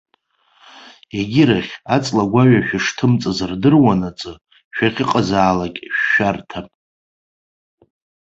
Егьирахь, аҵлагәаҩа шәышҭымҵыз рдыруанаҵы, шәахьыҟазаалакь шәшәарҭам!